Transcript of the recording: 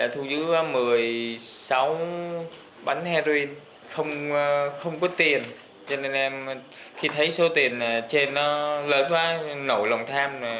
thu giữ một mươi sáu bánh heroin không có tiền cho nên em khi thấy số tiền trên nó lớn quá nổ lòng tham